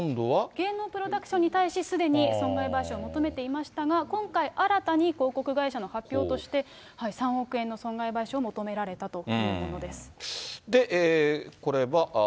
芸能プロダクションに対し、すでに損害賠償を求めていましたが、今回、新たに広告会社の発表として、３億円の損害賠償を求められたというものです。